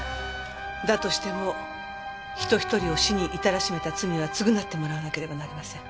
だとしても人一人を死に至らしめた罪は償ってもらわなければなりません。